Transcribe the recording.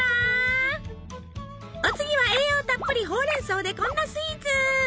お次は栄養たっぷりほうれん草でこんなスイーツ。